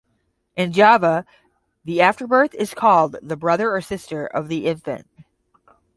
In Java the afterbirth is called the brother or sister of the infant.